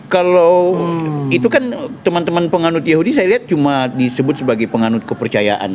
kalau itu kan teman teman penganut yahudi saya lihat cuma disebut sebagai penganut kepercayaan